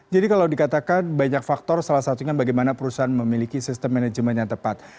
jadi kalau dikatakan banyak faktor salah satunya bagaimana perusahaan memiliki sistem manajemen yang tepat